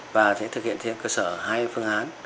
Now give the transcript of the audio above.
và sẽ thực hiện trên cơ sở hai phương án